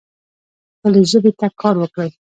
خپلې ژبې ته کار وکړئ